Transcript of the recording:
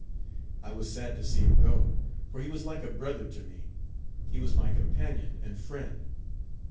" I was sad to see him go, for he was like a brother to me he was my companion and friend.